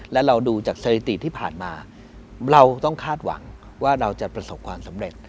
และเราดูจากสถิติที่ผ่านมาเราต้องคาดหวังว่าเราจะประสบความสำเร็จ